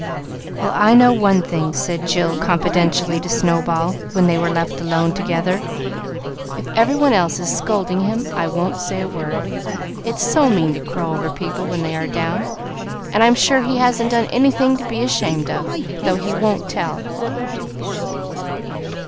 "Well, I know one thing," said Jill confidentially to Snow ball, when they were left alone together, "if every one else is scolding him I won't say a word. It's so mean to crow over people when they are down, and I'm sure he hasn't done anything to be ashamed of, though he won't tell."